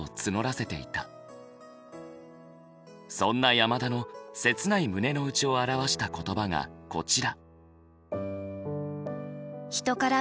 そんな山田の切ない胸の内を表した言葉がこちら。